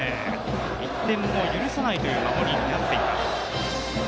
１点も許さないという守りになっています。